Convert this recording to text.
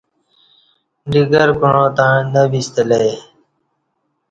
ڈگر کوعاں تݩع نہ بِستہ لہ ای